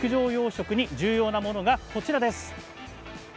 重要なものがこちらです。